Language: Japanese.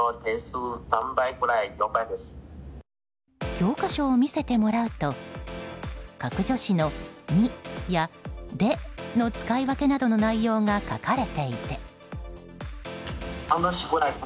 教科書を見せてもらうと格助詞の「に」や「で」の使い分けなどの内容が書かれていて。